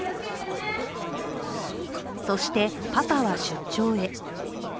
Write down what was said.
そして、パパは出張へ